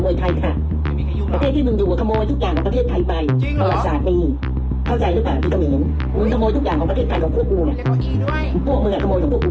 อย่าไปยุ่งขโมยใครค่ะ